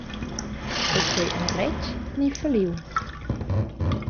Ei quei endretg ni falliu?